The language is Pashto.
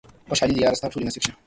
خوشحالۍ دې ياره ستا ټولې نصيب شي